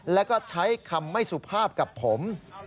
แล้วก็ใช้คำไม่สุภาพกับผม